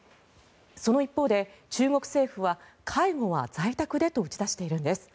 その一方で中国政府は介護は在宅でと打ち出しているんです。